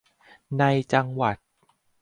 ในจังหวัด